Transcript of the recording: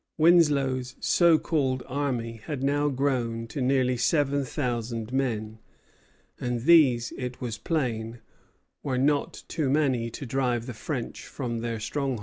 Winslow's so called army had now grown to nearly seven thousand men; and these, it was plain, were not too many to drive the French from their stronghold.